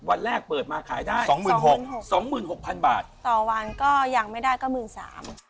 วันแรกเปิดมาขายได้๒๖๐๐๐บาทต่อวันก็อย่างไม่ได้ก็๑๓๐๐๐บาท